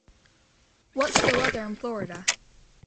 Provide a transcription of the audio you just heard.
What's the weather in Florida?